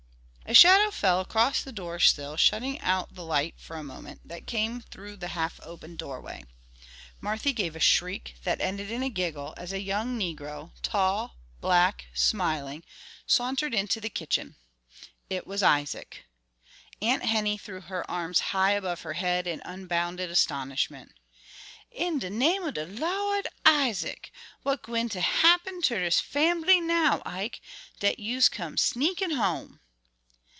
A shadow fell across the doorsill shutting out the light for a moment, that came through the half open doorway. Marthy gave a shriek that ended in a giggle as a young Negro, tall, black, smiling, sauntered into the kitchen; it was Isaac. Aunt Henny threw her arms high above her head in unbounded astonishment. "En de name ob de Lawd! Isaac! What's gwine ter happen ter dis fambly now, Ike, dat you's come sneakin' home?"